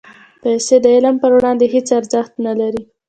پېسې د علم پر وړاندې هېڅ ارزښت نه لري.